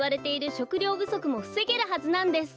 しょくりょうぶそくもふせげるはずなんです。